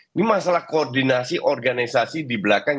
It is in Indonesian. ini masalah koordinasi organisasi di belakang